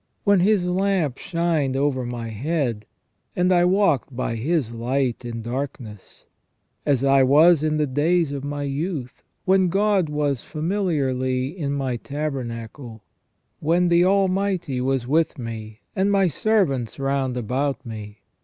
When His lamp shined over my head, and I walked by His light in darkness. As I was in the days of my youth, when God was familiarly in my tabernacle. When the Almighty was with me, and my servants round about me.